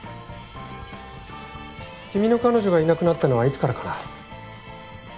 君の彼女がいなくなったのはいつからかな？